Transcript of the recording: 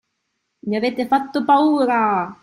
Mi avete fatto paura!